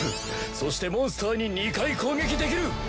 そしてモンスターに２回攻撃できる。